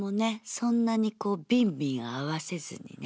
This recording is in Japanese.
そんなにビンビン合わせずにね。